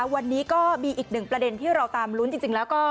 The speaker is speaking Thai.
วันนี้ก็มีอีกหนึ่งประเด็นที่เราตามลุ้นจริงแล้วก็